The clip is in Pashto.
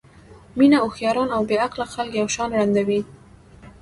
مینه هوښیاران او بې عقله خلک یو شان ړندوي.